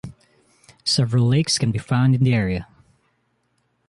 Several lakes can be found in the area.